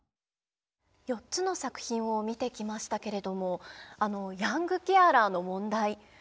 ４つの作品を見てきましたけれどもヤングケアラーの問題。